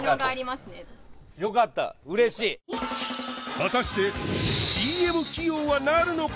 果たしてＣＭ起用はなるのか？